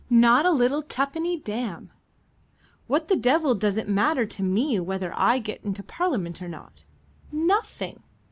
Not a little tuppenny damn. What the devil does it matter to me whether I get into Parliament or not? Nothing.